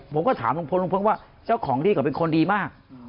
ผมก็ถามลุงพลลุงพลว่าเจ้าของที่เขาเป็นคนดีมาก